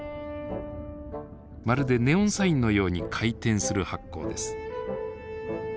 まるでネオンサインのように回転する発光です。